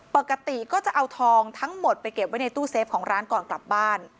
ปกติก็จะเอาทองทั้งหมดไปเก็บไว้ในตู้เซฟของร้านก่อนกลับบ้าน